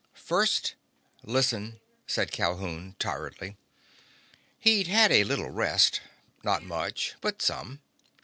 "First, listen," said Calhoun tiredly. He'd had a little rest. Not much, but some.